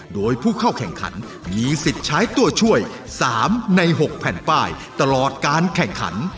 โดยผู้เข้าแข่งขันมีสิทธิ์ใช้ตัวช่วย๓ใน๖แผ่นป้ายตลอดการแข่งขัน